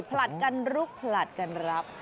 ผลัดกันลุกผลัดกันรับ